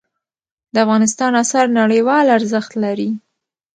د افغانستان آثار نړیوال ارزښت لري.